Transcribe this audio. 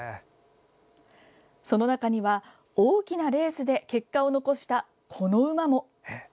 その中には大きなレースで結果を残した、この馬も。